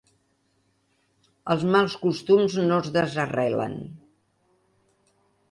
Els mals costums no es desarrelen.